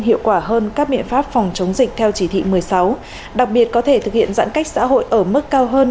hiệu quả hơn các biện pháp phòng chống dịch theo chỉ thị một mươi sáu đặc biệt có thể thực hiện giãn cách xã hội ở mức cao hơn